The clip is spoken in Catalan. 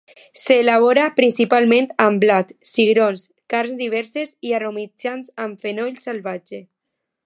S'elabora principalment amb blat, cigrons, carns diverses i aromatitzat amb fenoll salvatge.